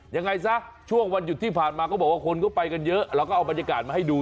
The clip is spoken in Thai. ยังไงซะช่วงวันหยุดที่ผ่านมาก็บอกว่าคนก็ไปกันเยอะเราก็เอาบรรยากาศมาให้ดู